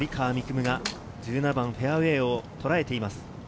夢が１７番、フェアウエーをとらえています。